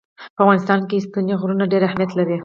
په افغانستان کې ستوني غرونه ډېر اهمیت لري.